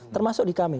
termasuk di kami